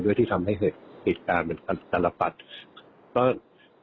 ด้วยที่ทำให้เหตุการณ์เป็นขนาดกรรมปะดดด